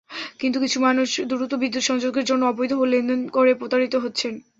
কিন্তু কিছু মানুষ দ্রুত বিদ্যুৎ-সংযোগের জন্য অবৈধ লেনদেন করে প্রতারিত হচ্ছেন।